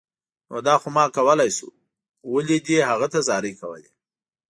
نو دا خو ما کولای شو، ولې دې هغه ته زارۍ کولې